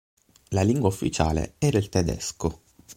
La lingua ufficiale era il tedesco.